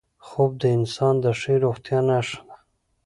خوب د انسان د ښې روغتیا نښه ده